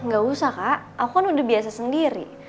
gak usah kak aku kan udah biasa sendiri